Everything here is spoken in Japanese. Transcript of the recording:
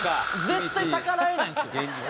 絶対逆らえないんですよ。